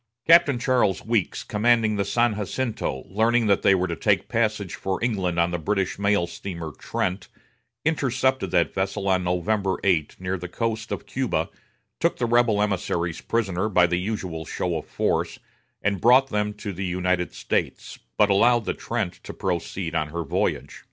Captain Charles Wilkes, commanding the San Jacinto, learning that they were to take passage for England on the British mail steamer Trent, intercepted that vessel on November 8 near the coast of Cuba, took the rebel emissaries prisoner by the usual show of force, and brought them to the United States, but allowed the Trent to proceed on her voyage.